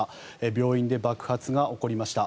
病院で爆発が起こりました。